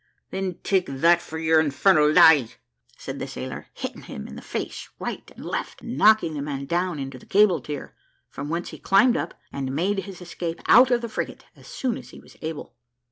"Then take that for your infernal lie," said the sailor, hitting him in the face right and left, and knocking the man down into the cable tier, from whence he climbed up, and made his escape out of the frigate as soon as he was able.